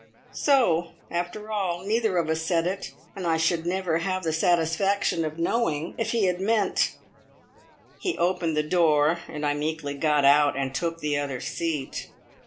So after all neither of us said it, and I should never have the satisfaction of knowing if he had meant He opened the door, and I meekly got out and took the other seat.